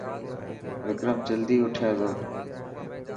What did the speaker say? وڪرم جلدي اٺي ٿو.